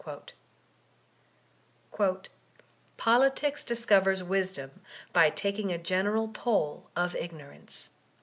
Tblitics discovers wisdom by taking a general poll of ignorance."